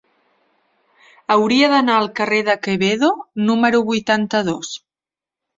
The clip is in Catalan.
Hauria d'anar al carrer de Quevedo número vuitanta-dos.